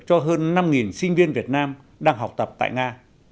cho hơn năm sinh viên việt nam đang học tập tại nga